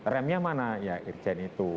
remnya mana ya irjen itu